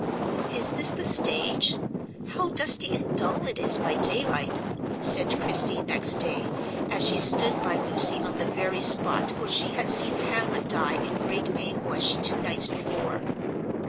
"Is this the stage? How dusty and dull it is by daylight!" said Christie next day, as she stood by Lucy on the very spot where she had seen Hamlet die in great anguish two nights before.